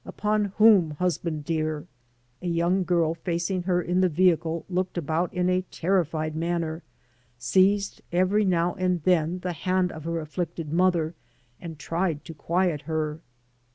'^ Upon whom, husband dear?" A young girl facing her in the vehicle looked about in a terrified manner, seized fevery now and then the hand of her afflicted mother, and tried to quiet her.